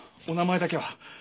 お名前だけは。